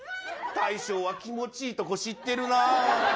大将は気持ち良いところ知ってるな。